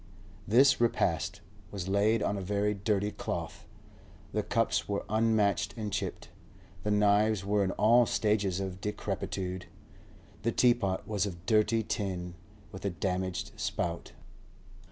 This repast was laid on a very dirty cloth. The cups were unmatched and chipped, the knives were in all stages of decrepitude; the teapot was of dirty tin, with a damaged spout.